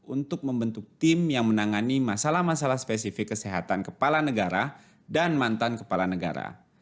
untuk membentuk tim yang menangani masalah masalah spesifik kesehatan kepala negara dan mantan kepala negara